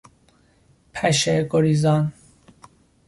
پشه گریزان